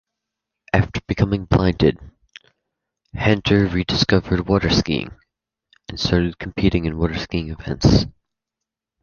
After becoming blinded, Henter rediscovered waterskiing, and started competing in waterskiing events.